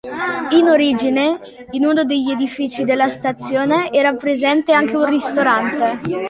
In origine in uno degli edifici della stazione era presente anche un ristorante.